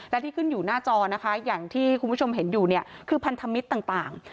และที่ขึ้นอยู่หน้าจอนะคะอย่างที่คุณผู้ชมเห็นอยู่เนี่ยคือพันธมิตรต่าง